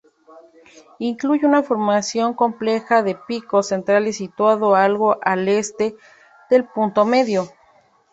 Incluye una formación compleja de picos centrales situados algo al este del punto medio.